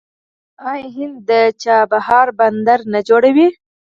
آیا هند د چابهار بندر نه جوړوي؟